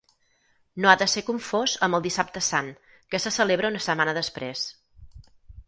No ha de ser confós amb el Dissabte Sant, que se celebra una setmana després.